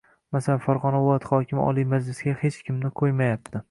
Masalan, Farg‘ona viloyat hokimi Oliy Majlisga hech kimni qo‘ymayapti.